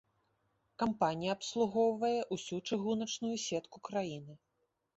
Кампанія абслугоўвае ўсю чыгуначную сетку краіны.